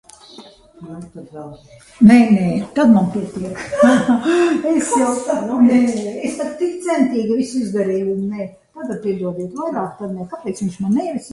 Ēkas iekšpusē tika nogalināts vismaz viens apsardzes kareivis un ievainoti vairāki policijas darbinieki.